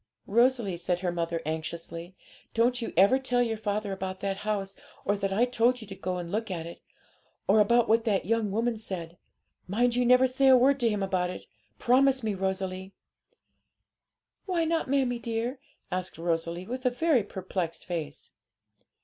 'Rosalie,' said her mother anxiously, 'don't you ever tell your father about that house, or that I told you to go and look at it, or about what that young woman said. Mind you never say a word to him about it; promise me, Rosalie.' 'Why not, mammie dear?' asked Rosalie, with a very perplexed face.